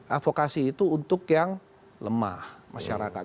advokasi itu untuk yang lemah masyarakat